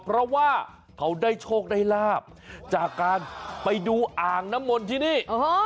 เพราะว่าเขาได้โชคได้ลาบจากการไปดูอ่างน้ำมนต์ที่นี่